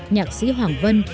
nhạc sĩ hoàng vân